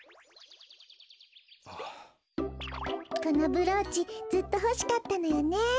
このブローチずっとほしかったのよね。